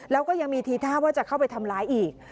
แล้วก็ยังมีทีท่าว่าจะเข้าไปทำร้ายอีก